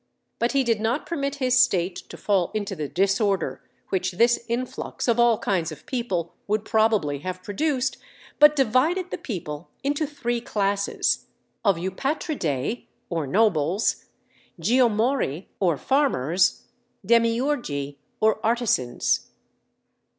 But he did not permit his state to fall into the disorder which this influx of all kinds of people would probably have produced, but divided the people into three classes, of Eupatridæ or nobles, Geomori or farmers, Demiurgi or artisans.